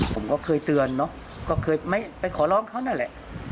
ผมก็เคยเตือนเนอะก็เคยไม่ไปขอร้องเขานั่นแหละ